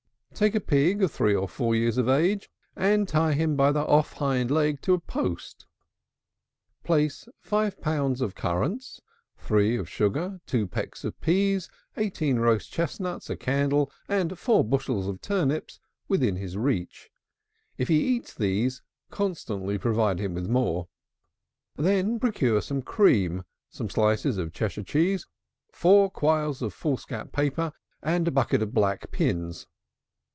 Take a pig three or four years of age, and tie him by the off hind leg to a post. Place 5 pounds of currants, 3 of sugar, 2 pecks of peas, 18 roast chestnuts, a candle, and 6 bushels of turnips, within his reach: if he eats these, constantly provide him with more. Then procure some cream, some slices of Cheshire cheese, 4 quires of foolscap paper, and a packet of black pins.